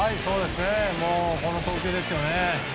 この投球ですよね。